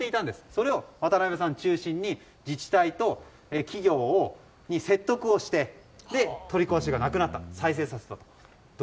それを渡邉さん中心に自治体と企業に説得をして取り壊しがなくなった。